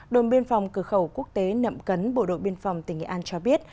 đồn biên phòng cửa khẩu quốc tế nậm cấn bộ đội biên phòng tỉnh nghệ an cho biết